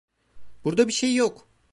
Burada bir şey yok.